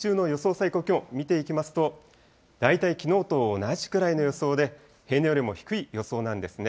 最高気温見ていきますと、大体きのうと同じくらいの予想で、平年よりも低い予想なんですね。